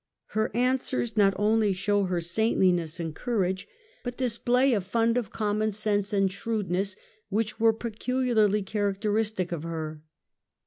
Her answers not only show her saintliness and courage, but dis HISTORY OF FRANCE, 1380 1453 221 play a fund of common sense and shrewdness, which were peculiarly characteristic of her.